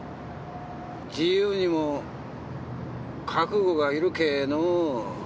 自由にも覚悟がいるけえのう。